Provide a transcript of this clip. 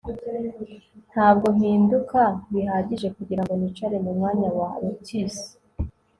ntabwo mpinduka bihagije kugirango nicare mumwanya wa lotus